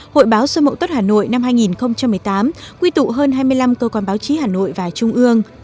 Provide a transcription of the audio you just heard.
hội báo sơ bộ tốt hà nội năm hai nghìn một mươi tám quy tụ hơn hai mươi năm cơ quan báo chí hà nội và trung ương